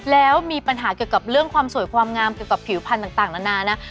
แล้วมีปัญหาเกี่ยวกับเรื่องความสวยความงามเกี่ยวกับผิวพันธุ์ต่างนานานะ